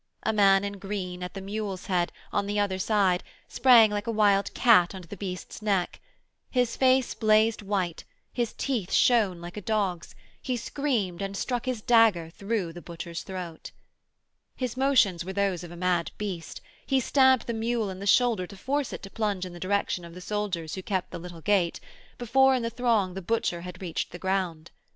A man in green at the mule's head, on the other side, sprang like a wild cat under the beast's neck. His face blazed white, his teeth shone like a dog's, he screamed and struck his dagger through the butcher's throat. His motions were those of a mad beast; he stabbed the mule in the shoulder to force it to plunge in the direction of the soldiers who kept the little gate, before in the throng the butcher had reached the ground.